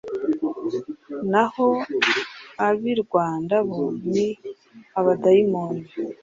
naho ab’i Rwanda bo ni abadayimoni